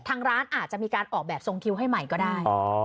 ทางร้านอาจจะมีการออกแบบทรงคิวให้ใหม่ก็ได้